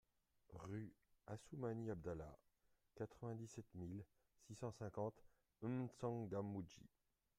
Rue Assoumani Abdallah, quatre-vingt-dix-sept mille six cent cinquante M'Tsangamouji